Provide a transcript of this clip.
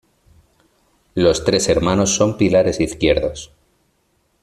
Los tres hermanos son pilares izquierdos.